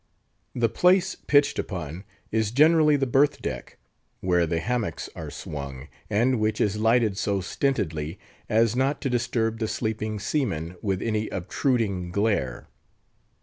The place pitched upon is generally the berth deck, where the hammocks are swung, and which is lighted so stintedly as not to disturb the sleeping seamen with any obtruding glare.